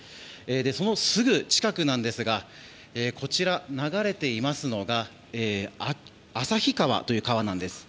そのすぐ近くですがこちら流れていますのが旭川という川なんです。